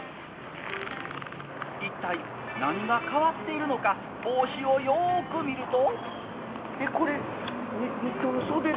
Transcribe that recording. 一体、何が変わっているのか帽子をよーく見ると。